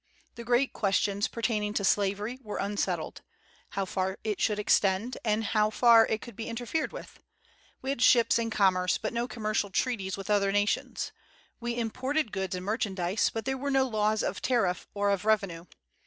The great questions pertaining to slavery were unsettled, how far it should extend, and how far it could be interfered with. We had ships and commerce, but no commercial treaties with other nations. We imported goods and merchandise, but there were no laws of tariff or of revenue.